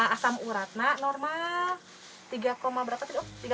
asam urat mak normal tiga berapa tadi